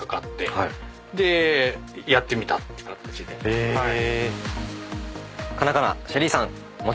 へぇ。